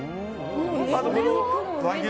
あと、和牛。